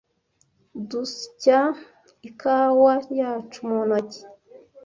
Dusya ikawa yacu mu ntoki.